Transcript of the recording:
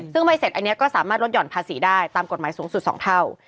ซึ่งไม่เสร็จอันนี้ก็สามารถลดห่อนภาษีได้ตามกฎหมายสูงสุด๒เท่า